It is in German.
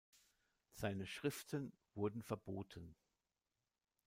Seine Schriften wurden verboten.